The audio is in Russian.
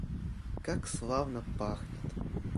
Как славно пахнет!